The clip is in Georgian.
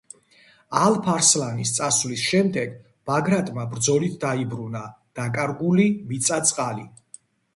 ალფ-არსლანის წასვლის შემდეგ ბაგრატმა ბრძოლით დაიბრუნა დაკარგული მიწა-წყალი.